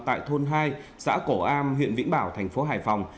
tại thôn hai xã cổ am huyện vĩnh bảo thành phố hải phòng